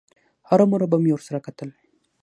هرومرو به مې ورسره کتل.